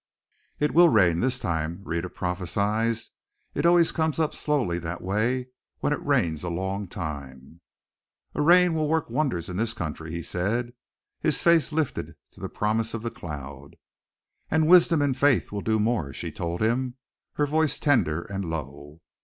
"It will rain this time," Rhetta prophesied. "It always comes up slowly that way when it rains a long time." "A rain will work wonders in this country," he said, his face lifted to the promise of the cloud. "And wisdom and faith will do more," she told him, her voice tender and low.